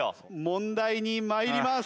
問題に参ります。